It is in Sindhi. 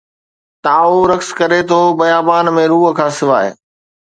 تائو رقص ڪري ٿو بيابان ۾، روح کان سواءِ